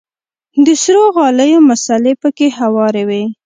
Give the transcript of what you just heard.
د سرو غاليو مصلې پکښې هوارې وې.